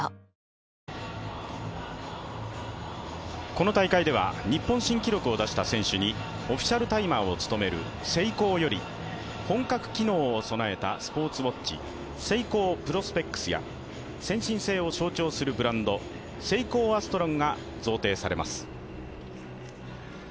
この大会では日本新記録を出した選手にオフィシャルタイマーを務めるセイコーより本格機能を備えたスポーツウォッチセイコープロスペックスや先進性を象徴するブランドセイコーアストロンが贈呈されます。